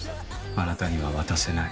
あなたには渡せない。